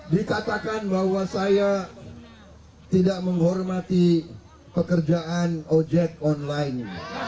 dikatakan bahwa saya tidak menghormati pekerjaan ojek online